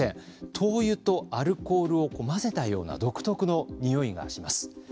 灯油とアルコールを混ぜたような独特のにおいがします。